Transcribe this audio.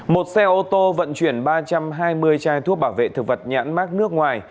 một xe ô tô vận chuyển ba trăm hai mươi chai thuốc bảo vệ thực vật nhãn mát nước ngoài